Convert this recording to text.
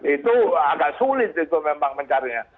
itu agak sulit itu memang mencarinya